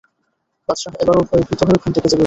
বাদশাহ এবারও ভয়ে ভীত হয়ে ঘুম থেকে জেগে উঠেন।